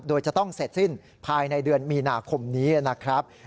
โดยจะต้องเสร็จสิ้นภายในเดือนมีนาคมนี้นะครับ